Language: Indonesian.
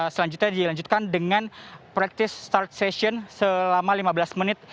selanjutnya dilanjutkan dengan practice start session selama lima belas menit